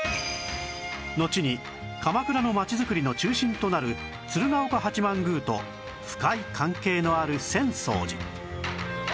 のちに鎌倉の街づくりの中心となる鶴岡八幡宮と深い関係のある浅草寺